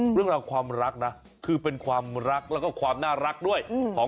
เรื่องราวความรักนะคือเป็นความรักแล้วก็ความน่ารักด้วยของ